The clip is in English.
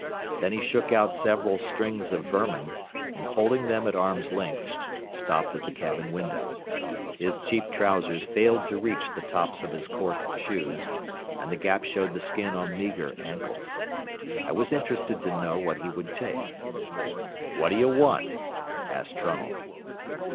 Then he shook out several strings of vermin, and holding them at arm's length, stopped at the cabin window. His cheap trousers failed to reach the tops of his coarse shoes, and the gap showed the skin on meagre ankles. I was interested to know what he would take. "What d'ye want?" asked Trunnell.